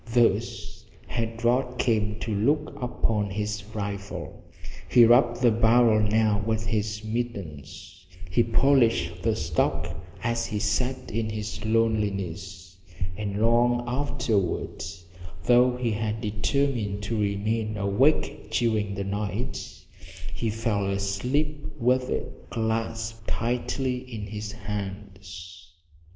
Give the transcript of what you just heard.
Thus had Rod come to look upon his rifle. He rubbed the barrel now with his mittens; he polished the stock as he sat in his loneliness, and long afterward, though he had determined to remain awake during the night, he fell asleep with it clasped tightly in his hands.